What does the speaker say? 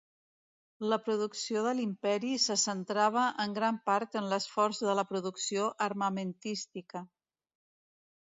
La producció de l'Imperi se centrava en gran part en l'esforç de la producció armamentística.